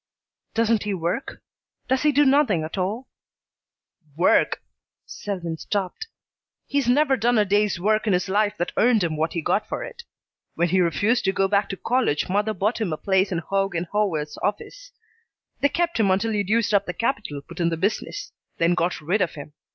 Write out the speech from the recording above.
"Doesn't he work? Does he do nothing at all?" "Work!" Selwyn stopped. "He's never done a day's work in his life that earned what he got for it. When he refused to go back to college mother bought him a place in Hoge and Howell's office. They kept him until he'd used up the capital put in the business, then got rid of him.